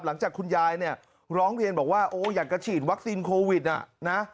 หลังจากคุณยายเนี่ยร้องเรียนบอกว่าโอ้อยากจะฉีดวัคซีนโควิดนะ